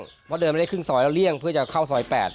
เพราะเดินไม่ได้ครึ่งซอยแล้วเลี่ยงเพื่อจะเข้าซอย๘